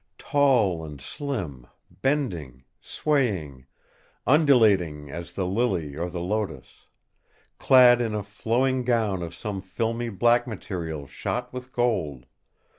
tall and slim, bending, swaying, undulating as the lily or the lotos. Clad in a flowing gown of some filmy black material shot with gold.